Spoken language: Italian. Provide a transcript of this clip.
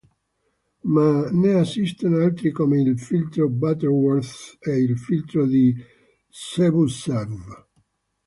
Ma ne esistono altri come il filtro Butterworth e il filtro di Čebyšëv.